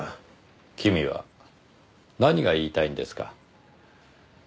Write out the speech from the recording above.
君は何が言いたいんですか？